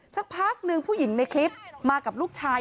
สักพักหนึ่งผู้หญิงในคลิปมากับลูกชาย